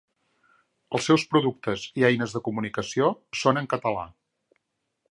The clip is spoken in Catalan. Els seus productes i eines de comunicació són en català.